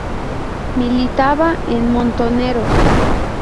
Militaba en Montoneros.